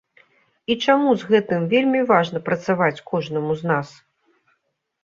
І чаму з гэтым вельмі важна працаваць кожнаму з нас?